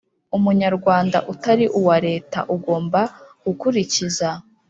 umunyarwanda utari uwa Leta ugomba gukurikiza